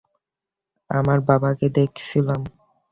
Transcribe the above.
আমার বাবাকে দেখছিলাম।